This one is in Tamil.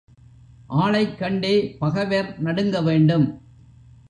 ஆளைக் கண்டே பகைவர் நடுங்க வேண்டும்.